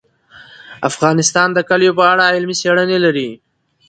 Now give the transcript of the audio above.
افغانستان د کلیو په اړه علمي څېړنې لري.